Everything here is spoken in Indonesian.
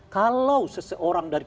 kalau seseorang dari